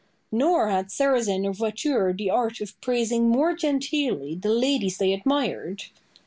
Nor had Sarrazin or Voiture the art of praising more genteelly the ladies they admired.